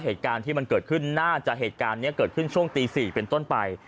เหตุการณ์ที่มันเกิดขึ้นน่าจะเหตุการณ์นี้เกิดขึ้นช่วงตี๔เป็นต้นไป